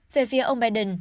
về phía ông biden